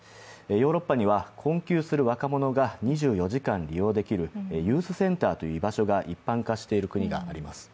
ヨーロッパには、困窮する若者が２４時間利用できるユースセンターという居場所が一般化している国があります。